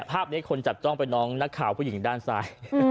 ภาพนี้คนจับจ้องเป็นน้องนักข่าวผู้หญิงด้านซ้าย